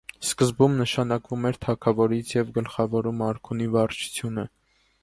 Սկզբում նշանակվում էր թագավորից և գլխավորում արքունի վարչությունը։